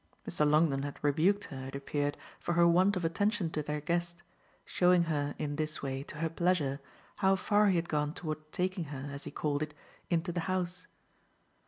Mr. Longdon had rebuked her, it appeared, for her want of attention to their guest, showing her in this way, to her pleasure, how far he had gone toward taking her, as he called it, into the house.